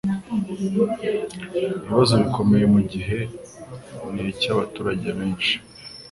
Ikibazo gikomeye muri iki gihe ni icy'abaturage benshi